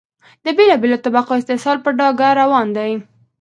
د بېلا بېلو طبقو استحصال په ډاګه روان دی.